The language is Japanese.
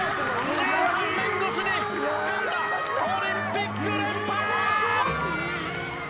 １３年越しにつかんだオリンピック連覇！